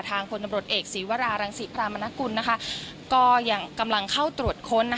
พลตำรวจเอกศีวรารังศิพรามนกุลก็ยังกำลังเข้าตรวจค้น